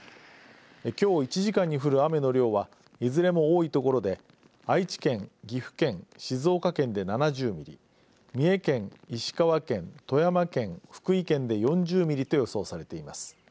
きょう１時間に降る雨の量はいずれも多い所で愛知県、岐阜県静岡県で７０ミリ三重県、石川県、富山県福井県で４０ミリと予想されています。